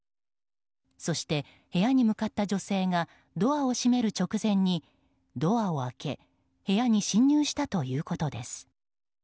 そして、部屋に向かった女性がドアを閉める直前にドアを開け部屋に侵入したということです。